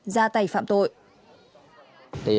ra tay phạm tội